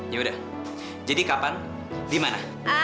yaudah jadi kapan dimana